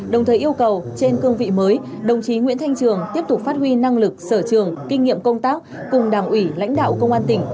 đồng thời yêu cầu trên cương vị mới đồng chí nguyễn thanh trường tiếp tục phát huy năng lực sở trường kinh nghiệm công tác cùng đảng ủy lãnh đạo công an tỉnh